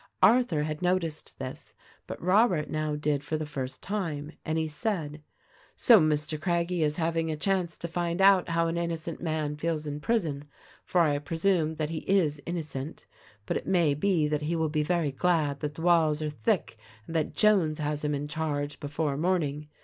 Arthur had noticed this, but Robert now did for the first time, and he said, "So Mr. Craggie is having a chance to find out how an innocent man feels in prison — for I presume that he is inno cent. But it may be that he will be very glad that the walls are thick and that Jones has him in charge, before morning.